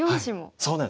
そうなんです。